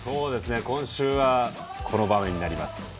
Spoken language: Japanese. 今週はこの場面になります。